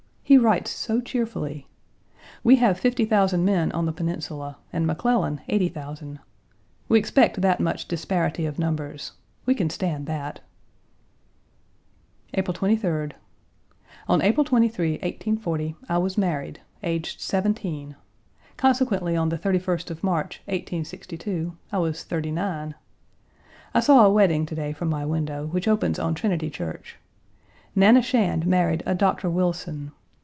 He writes so cheerfully. We have fifty thousand men on the Peninsula and McClellan eighty thousand. We expect that much disparity of numbers. We can stand that. April 23d. On April 23, 1840, I was married, aged seventeen; consequently on the 31st of March, 1862, I was thirty nine. I saw a wedding to day from my window, which opens on Trinity Church. Nanna Shand married a Doctor Wilson.